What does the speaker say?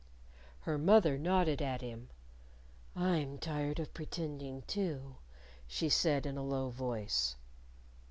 Her mother nodded at him. "I'm tired of pretending, too," she said in a low voice.